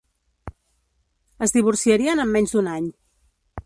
Es divorciarien en menys d'un any.